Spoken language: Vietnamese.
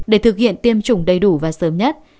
để thực hiện tiêm chủng đầy đủ và sớm nhất